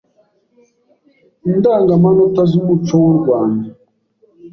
Indangamanota z’umuco w’u Rwand